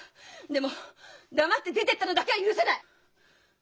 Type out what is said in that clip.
でも黙って出てったのだけは許せない！